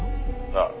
「ああ。